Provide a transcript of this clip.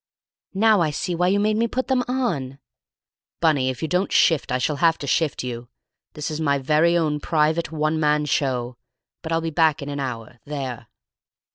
"Now I see why you made me put them on!" "Bunny, if you don't shift I shall have to shift you. This is my very own private one man show. But I'll be back in an hour—there!"